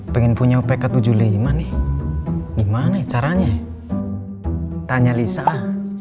pengen punya pk tujuh puluh lima nih gimana caranya tanya lisa